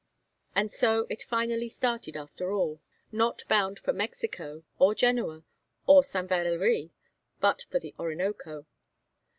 And so it finally started after all, not bound for Mexico, or Genoa, or St. Valéry, but for the Orinoco.